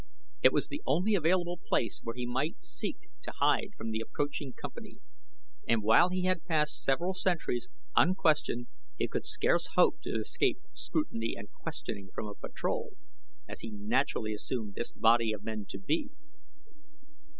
It was the only available place where he might seek to hide from the approaching company, and while he had passed several sentries unquestioned he could scarce hope to escape scrutiny and questioning from a patrol, as he naturally assumed this body of men to be.